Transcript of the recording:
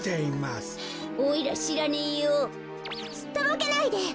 すっとぼけないで。